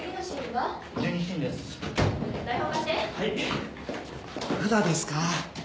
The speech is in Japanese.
まだですか？